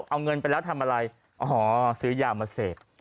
เอาเงินไปแล้วทำอะไรอ๋อซื้อยามาเสพ